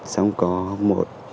xong có một